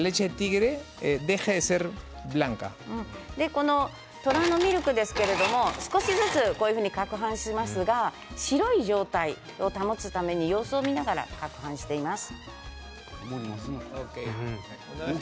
この虎のミルクですけれど少しずつかくはんしますけれど白い状態を保つために様子を見ながらかくはんをしています。